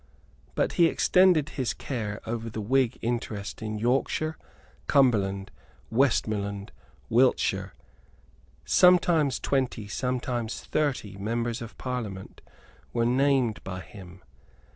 But he extended his care over the Whig interest in Yorkshire, Cumberland, Westmoreland, Wiltshire. Sometimes twenty, sometimes thirty, members of Parliament were named by him.